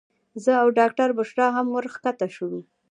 زه او ډاکټره بشرا هم ورښکته شولو.